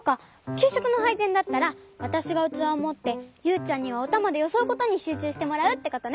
きゅうしょくのはいぜんだったらわたしがうつわをもってユウちゃんにはおたまでよそうことにしゅうちゅうしてもらうってことね。